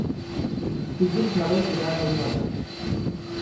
Dilluns na Beth irà a Vallibona.